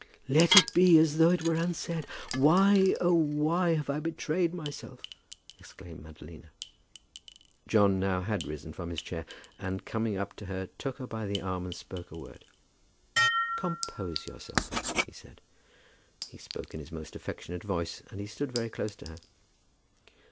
"Let it be as though it were unsaid! Why, oh, why, have I betrayed myself?" exclaimed Madalina. John now had risen from his chair, and coming up to her took her by the arm and spoke a word. "Compose yourself," he said. He spoke in his most affectionate voice, and he stood very close to her.